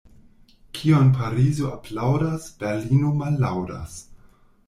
Kion Parizo aplaŭdas, Berlino mallaŭdas.